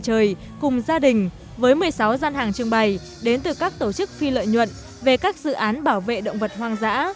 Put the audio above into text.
các tổ chức phim ngoài trời cùng gia đình với một mươi sáu gian hàng trưng bày đến từ các tổ chức phi lợi nhuận về các dự án bảo vệ động vật hoang dã